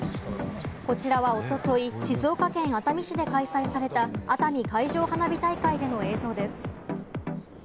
こちらはおととい、静岡県熱海市で開催された熱海海上花火大会での映像です。